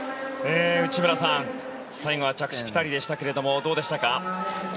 内村さん最後は着地ピタリでしたけれどもどうでしたか？